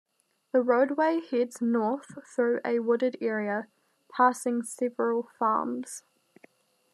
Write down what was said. The roadway heads north through a wooded area, passing several farms.